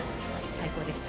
最高でした。